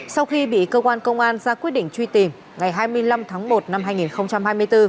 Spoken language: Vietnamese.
sau khi bị cơ quan công an ra quyết định truy tìm ngày hai mươi năm tháng một năm hai nghìn hai mươi bốn